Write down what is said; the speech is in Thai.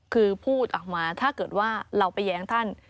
คือพูดออกมาถ้าเกิดว่าเราไปแย้งท่าน